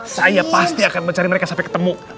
saya pasti akan mencari mereka sampai ketemu